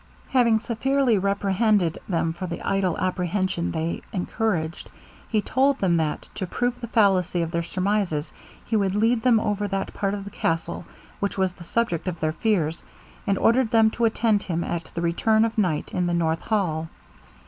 Having severely reprehended them for the idle apprehension they encouraged, he told them that, to prove the fallacy of their surmises, he would lead them over that part of the castle which was the subject of their fears, and ordered them to attend him at the return of night in the north hall.